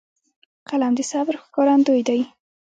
قلم د صبر ښکارندوی دی